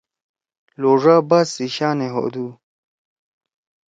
لوڙا باز سی شانے ہودُو۔